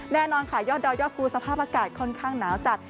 แน่นอนค่ะยอดดอยยอดภูสภาพอากาศค่อนข้างหนาวจัด